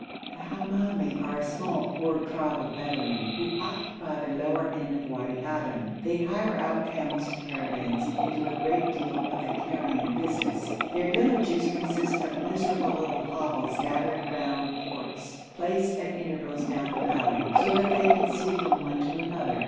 The Hamoumi are a small, poor tribe of Bedouin, who occupy the lower end of Wadi Adim. They hire out camels to caravans, and do a great deal of the carrying business. Their villages consist of miserable little hovels gathered round forts, placed at intervals down the valleys, so that they can see from one to another.